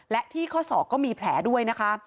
และที่ข้อศอกก็มีแผลด้วยนะคะ